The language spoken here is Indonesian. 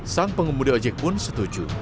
sang pengemudi ojek pun setuju